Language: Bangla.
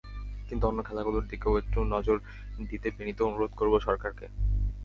কিন্তু অন্য খেলাগুলোর দিকেও একটু নজর দিতে বিনীত অনুরোধ করব সরকারকে।